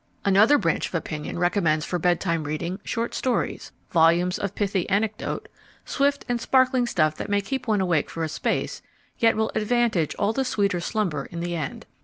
Another branch of opinion recommends for bedtime reading short stories, volumes of pithy anecdote, swift and sparkling stuff that may keep one awake for a space, yet will advantage all the sweeter slumber in the end.